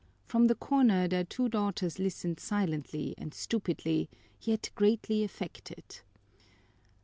From the corner their two daughters listened silently and stupidly, yet greatly affected.